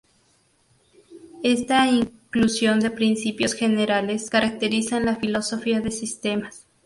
Esta inclusión de principios generales caracterizan la filosofía de sistemas.